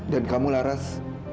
dan kamu laras